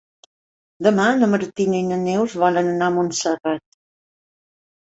Demà na Martina i na Neus volen anar a Montserrat.